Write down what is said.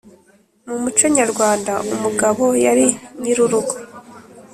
Mu muco nyarwanda, umugabo yari nyiri urugo.